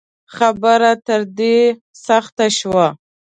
خبره تر دې سخته شوه